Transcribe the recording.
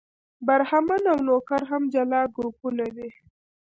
برهمن او نوکر هم جلا ګروپونه دي.